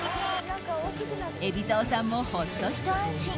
海老蔵さんも、ほっとひと安心。